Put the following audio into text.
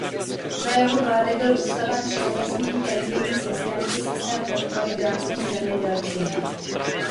Za jeho vlády byl ustaven všeobecný penzijní systém či systém podpory dánským zemědělcům.